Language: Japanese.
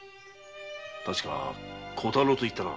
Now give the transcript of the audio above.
確か小太郎と言ったな。